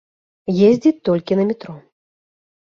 Ездзіць толькі на метро.